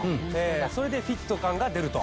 それでフィット感が出ると。